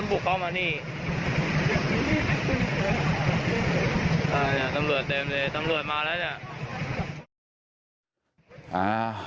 จะมีหมดมาแล้วอ่ะ